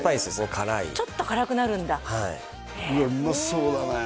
辛いちょっと辛くなるんだうわうまそうだね